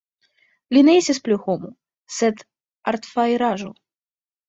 Li ne estis plu homo, sed artfajraĵo.